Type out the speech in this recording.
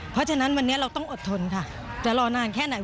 เพราะฉะนั้นวันนี้เราต้องอดทนค่ะจะรอนานแค่ไหน